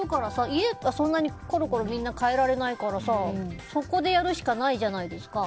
家はそんなにコロコロみんな変えられないからそこでやるしかないじゃないですか。